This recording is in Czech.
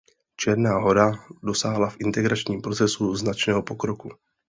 Černá Hora dosáhla v integračním procesu značného pokroku.